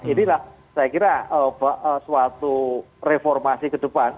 inilah saya kira suatu reformasi ke depan